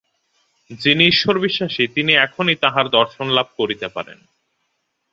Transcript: যিনি ঈশ্বরবিশ্বাসী, তিনি এখনই তাঁহার দর্শন লাভ করিতে পারেন।